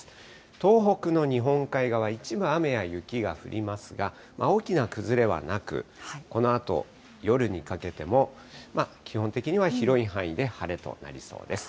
東北の日本海側、一部雨や雪が降りますが、大きな崩れはなく、このあと夜にかけても、基本的には広い範囲で晴れとなりそうです。